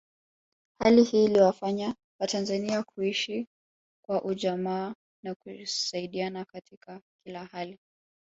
Hali hii iliwafanya watanzania kuishi kwa ujamaa na kusaidiana katika kila hali